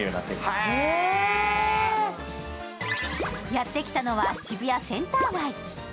やってきたのは渋谷センター街。